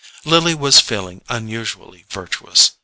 Lily was feeling unusually virtuous.